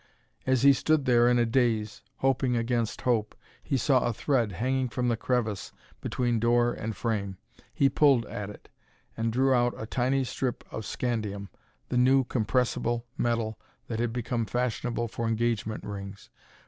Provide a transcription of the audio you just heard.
As he stood there in a daze, hoping against hope, he saw a thread hanging from the crevice between door and frame. He pulled at it, and drew out a tiny strip of scandium, the new compressible metal that had become fashionable for engagement rings.